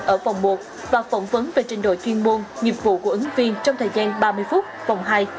ở vòng một và phỏng vấn về trình đội chuyên môn nghiệp vụ của ứng viên trong thời gian ba mươi phút vòng hai